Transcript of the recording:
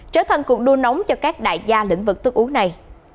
trở thành cuộc đua nóng cho các đại gia lĩnh vực thức uống này